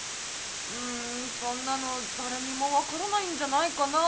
うんそんなのだれにもわからないんじゃないかなあ。